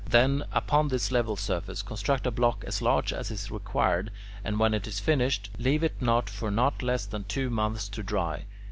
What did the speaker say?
Then, upon this level surface construct a block as large as is required, and when it is finished, leave it for not less than two months to dry.